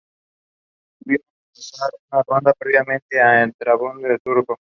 Tuvieron que pasar una ronda previa ante el Trabzonspor turco.